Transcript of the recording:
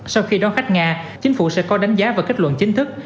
sau khi đón khách nga chính phủ sẽ có đánh giá và kết luận chính thức